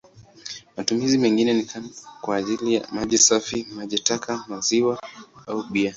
Matumizi mengine ni kwa ajili ya maji safi, maji taka, maziwa au bia.